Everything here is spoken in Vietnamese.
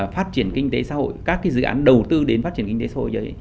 phát triển kinh tế xã hội các dự án đầu tư đến phát triển kinh tế xã hội